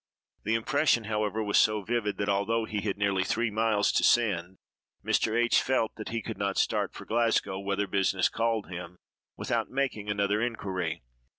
The impression, however, was so vivid, that, although he had nearly three miles to send, Mr. H—— felt that he could not start for Glasgow, whither business called him, without making another inquiry.